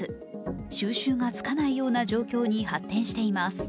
収拾がつかないような状況に発展しています。